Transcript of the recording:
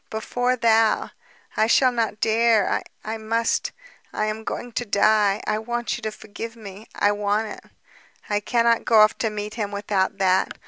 Before thou! I shall not dare. I must ... I am going to die ... I want you to forgive me. I want it ... I cannot go off to meet him without that.